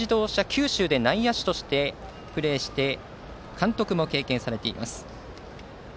九州で内野手としてプレーして監督も経験されています。